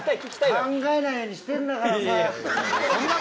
考えないようにしてんだからさ。